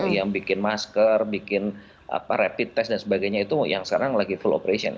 yang bikin masker bikin rapid test dan sebagainya itu yang sekarang lagi full operation